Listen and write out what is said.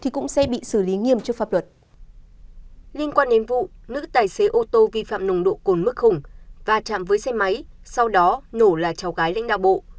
qua ném vụ nữ tài xế ô tô vi phạm nồng độ cồn mức khủng và chạm với xe máy sau đó nổ là cháu gái lãnh đạo bộ